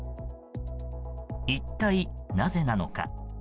一体、なぜなのか？